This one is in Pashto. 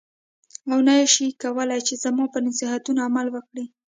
او نه شې کولای چې زما په نصیحتونو عمل وکړې.